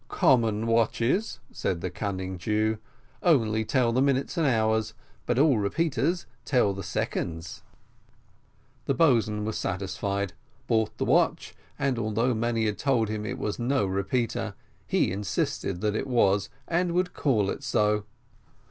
"Common watches," said the cunning Jew, "only tell the minutes and the hours; but all repeaters tell the seconds." The boatswain was satisfied bought the watch, and, although many had told him it was no repeater, he insisted that it was, and would call it so.